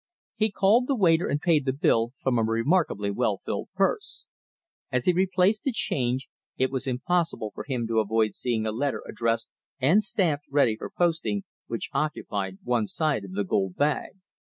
He called the waiter and paid the bill from a remarkably well filled purse. As he replaced the change, it was impossible for him to avoid seeing a letter addressed and stamped ready for posting, which occupied one side of the gold bag.